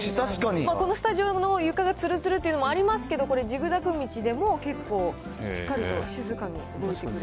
このスタジオの床がつるつるというのもありますけど、これジグザグ道でも、結構しっかりと静かに動いてくれる。